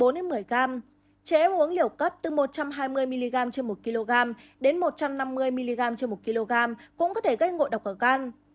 trẻ em uống liều cấp từ một trăm hai mươi mg trên một kg đến một trăm năm mươi mg trên một kg cũng có thể gây ngộ độc ở gan